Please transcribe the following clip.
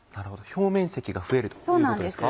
表面積が増えるということですか。